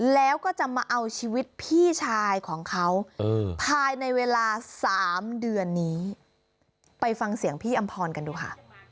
แล้วก็จะมาเอาชีวิตพี่ชายของเขาภายในเวลา๓เดือนนี้ไปฟังเสียงพี่อำพรกันดูค่ะ